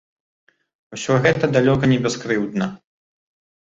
Усё гэта далёка не бяскрыўдна.